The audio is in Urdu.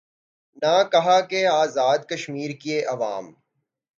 نے کہا کہ آزادکشمیر کےعوام